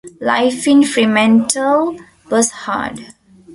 Life in Fremantle was hard.